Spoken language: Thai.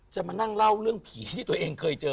มานั่งเล่าเรื่องผีที่ตัวเองเคยเจอ